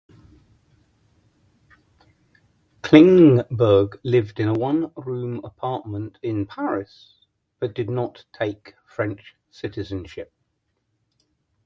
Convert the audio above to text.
Klingberg lived in a one-room apartment in Paris, but did not take French citizenship.